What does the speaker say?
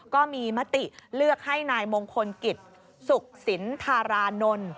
ก็มีมติเลือกให้นายมงคลกิจสุขสินธารานนท์